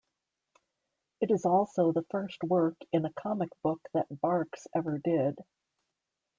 It is also the first work in a comic book that Barks ever did.